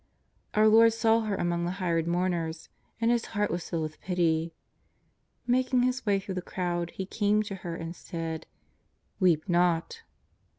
Our Lord saw her among the hired mourners, and His heart was filled with pity, flaking His w^ay through the crowd, He came to her and said :" Weep not."